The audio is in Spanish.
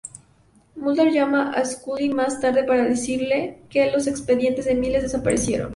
Mulder llama a Scully más tarde para decirle que los expedientes de Miles desaparecieron.